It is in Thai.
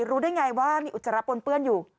รู้ได้ไงว่ามีอุจจาระปนเปื้อนอยู่